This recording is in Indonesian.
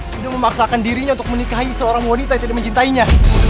tidak memaksakan dirinya untuk menikahi seorang wanita yang tidak mencintainya